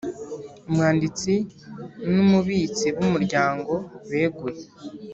Umwanditsi numubitsi bumuryango beguye